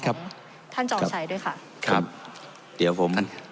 ขออนุญาตครับท่านจองใช้ด้วยค่ะ